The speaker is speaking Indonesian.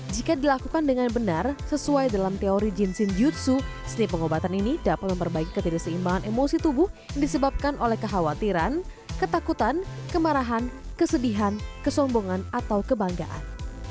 jika dilakukan dengan benar sesuai dalam teori jinsin yutsu seni pengobatan ini dapat memperbaiki ketidakseimbangan emosi tubuh yang disebabkan oleh kekhawatiran ketakutan kemarahan kesedihan kesombongan atau kebanggaan